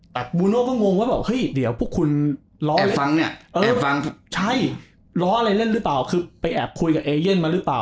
แต่บูโน่ก็งงว่าเดี๋ยวพวกคุณร้อยเล่นเรื่องไปแอบคุยกับเอเย่นมารึเปล่า